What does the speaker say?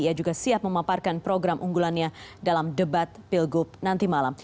ia juga siap memaparkan program unggulannya dalam debat pilgub nanti malam